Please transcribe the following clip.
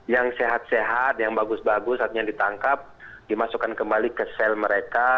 yang sehat sehat yang bagus bagus artinya ditangkap dimasukkan kembali ke sel mereka